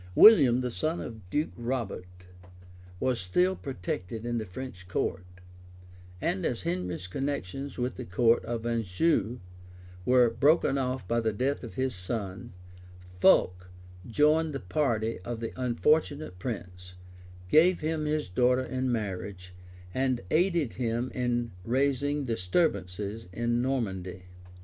William, the son of Duke Robert, was still protected in the French court; and as Henry's connections with the count of Anjou were broken off by the death of his son, Fulk joined the party of the unfortunate prince, gave him his daughter in marriage, and aided him in raising disturbances in Normandy.